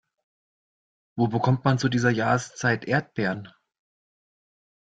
Wo bekommt man zu dieser Jahreszeit Erdbeeren?